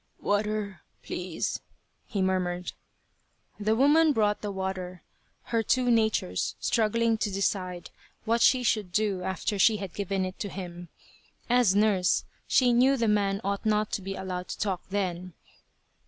"Water, please," he murmured The woman brought the water, her two natures struggling to decide what she should do after she had given it to him. As nurse, she knew the man ought not to be allowed to talk then.